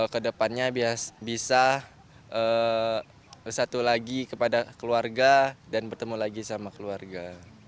kedepannya bisa satu lagi kepada keluarga dan bertemu lagi sama keluarga